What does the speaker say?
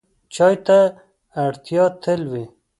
چای ته اړتیا تل وي.